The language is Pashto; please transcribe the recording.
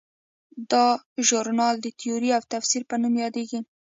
دا ژورنال د تیورۍ او تفسیر په نوم هم یادیږي.